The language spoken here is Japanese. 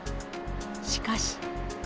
しかし。